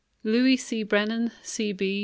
Louis C. Brennan, C.B.